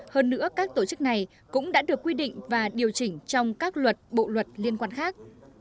hơn nữa các tổ chức này cũng đã được quy định và điều chỉnh trong các luật bộ luật liên quan khác